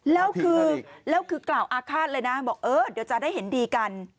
แล้วคือกล่าวอาฆาตเลยนะบอกเดี๋ยวจะได้เห็นดีกัน